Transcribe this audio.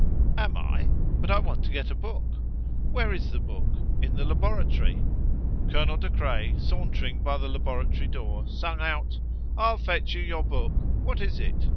"Am I! But I want to get a book." "Where is the book?" "In the laboratory." Colonel De Craye, sauntering by the laboratory door, sung out: "I'll fetch you your book. What is it?